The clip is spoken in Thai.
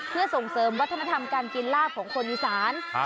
เพื่อส่งเสริมวัฒนธรรมการกินลาบของคนอีสาน